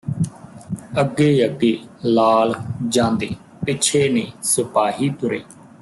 ਅੱਗੇ ਅੱਗੇ ਲਾਲ ਜਾਂਦੇ ਪਿੱਛੇ ਨੇ ਸਿਪਾਹੀ ਤੁਰੇ